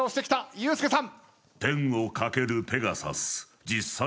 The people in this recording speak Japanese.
ユースケさん。